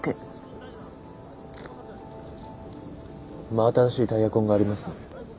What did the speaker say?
真新しいタイヤ痕がありますね。